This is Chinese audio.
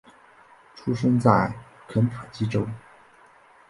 出生在肯塔基州。